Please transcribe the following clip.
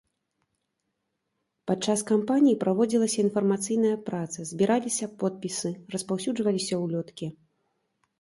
Падчас кампаніі праводзілася інфармацыйная праца, збіраліся подпісы, распаўсюджваліся ўлёткі.